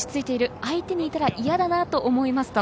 相手にいたら嫌だなと思いますと。